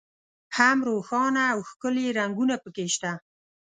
هم روښانه او ښکلي رنګونه په کې شته.